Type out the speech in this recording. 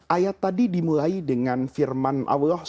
ayat tadi dimulai dengan firman allah